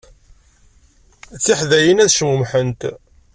Tiḥdayin ad cmumḥent.